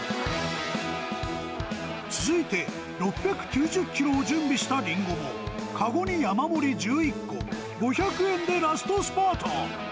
続いて６９０キロを準備したリンゴも、籠に山盛り１１個５００円でラストスパート。